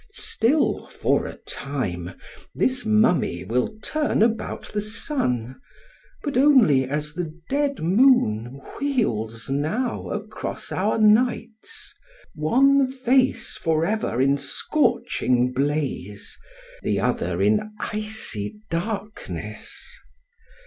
Still for a time this mummy will turn about the sun, but only as the dead moon wheels now across our nights, — one face forever in scorching blaze, the other in icy dark ness.